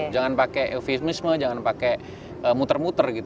jangan pakai eufemisme jangan pakai muter muter